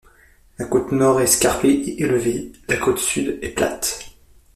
La côte nord est escarpée et élevée, la côte sud est plate.